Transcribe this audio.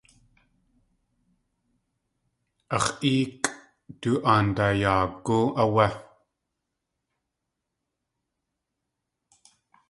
Ax̲ éekʼ du aandaayaagú áwé.